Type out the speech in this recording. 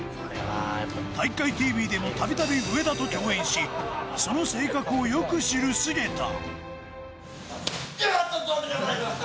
「体育会ＴＶ」でもたびたび上田と共演し、その性格をよく知る菅田。